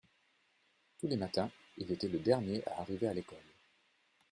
Tous les matins il était le dernier à arriver à l’école.